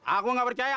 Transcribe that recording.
aku nggak percaya